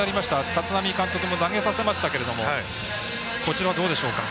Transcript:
立浪監督も投げさせましたがこちらはどうでしょうか。